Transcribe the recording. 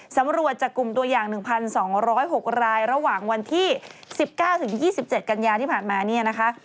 สำรวจจากกลุ่มตัวอย่าง๑๒๐๖รายระหว่างวันที่๑๙๒๗กันยาที่ผ่านมาเนี่ยนะคะ